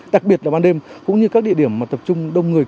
đặc biệt là ban đêm cũng như các địa điểm mà tập trung đông người